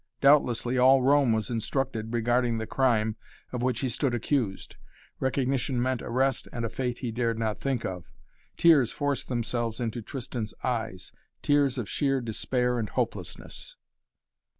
Doubtlessly all Rome was instructed regarding the crime of which he stood accused. Recognition meant arrest and a fate he dared not think of. Tears forced themselves into Tristan's eyes, tears of sheer despair and hopelessness.